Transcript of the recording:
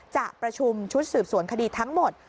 จะประชุมชุดสืบสวนคดีทั้งหมด